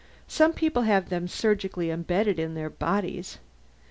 Some people have them surgically embedded in their bodies.